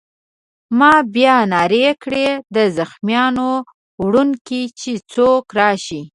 ما بیا نارې کړې: د زخمیانو وړونکی! چې څوک راشي.